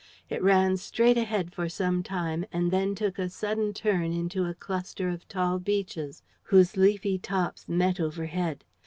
It ran straight ahead for some time and then took a sudden turn into a cluster of tall beeches whose leafy tops met overhead.